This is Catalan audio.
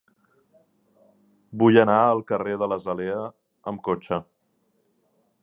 Vull anar al carrer de l'Azalea amb cotxe.